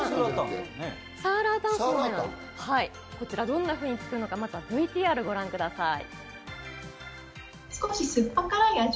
こちらどんなふうに作るのか、まずはＶＴＲをご覧ください。